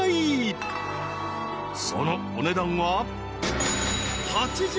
［そのお値段は］